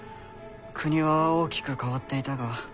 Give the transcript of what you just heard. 国は大きく変わっていたが。